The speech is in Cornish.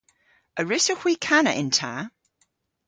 A wrussowgh hwi kana yn ta?